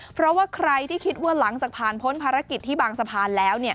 เพราะว่าใครที่คิดว่าหลังจากผ่านพ้นภารกิจที่บางสะพานแล้วเนี่ย